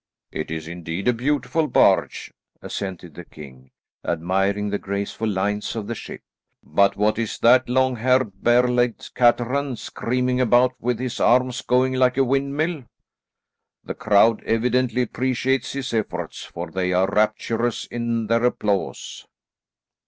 "It is indeed a beautiful barge," assented the king, admiring the graceful lines of the ship. "But what is that long haired, bare legged cateran screaming about with his arms going like a windmill? The crowd evidently appreciates his efforts, for they are rapturous in their applause."